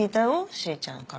しーちゃんから。